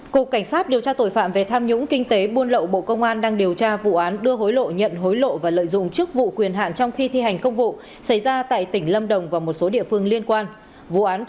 cục cảnh sát điều tra tội phạm về tham nhũng kinh tế buôn lậu bộ công an đang điều tra vụ án đưa hối lộ nhận hối lộ và lợi dụng chức vụ quyền hạn trong khi thi hành công vụ xảy ra tại tỉnh lâm đồng và một số địa phương liên quan